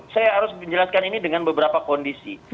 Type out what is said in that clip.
saya harus menjelaskan ini dengan beberapa kondisi